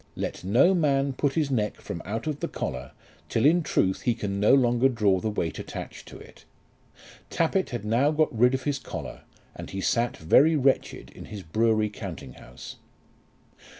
Let no man put his neck from out of the collar till in truth he can no longer draw the weight attached to it. Tappitt had now got rid of his collar, and he sat very wretched in his brewery counting house.